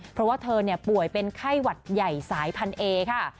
เพราะว่าเธอป่วยเป็นไข้หวัดใหญ่สายพันเอค่ะ